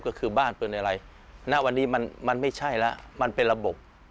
ก็คือบ้านเป็นอะไรณวันนี้มันไม่ใช่แล้วมันเป็นระบบ